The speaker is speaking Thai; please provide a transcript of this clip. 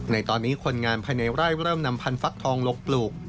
ในตอนนี้คนงานภายในไร่เริ่มนำพันธักทองลงปลูก